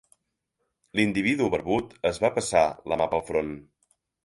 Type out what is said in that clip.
L'individu barbut es va passar la mà pel front.